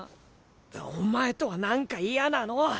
お前とはなんか嫌なの！